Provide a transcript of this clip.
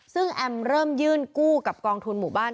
ซึ่งแอมเริ่มยื่นกู้กับกองทุนหมู่บ้าน